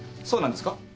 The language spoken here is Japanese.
そうなんですか？